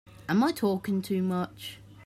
Am I talking too much?